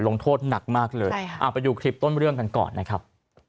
ลงโทษหนักมากเลยไปดูคลิปต้นเรื่องกันก่อนนะครับ